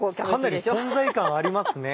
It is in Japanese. かなり存在感ありますね。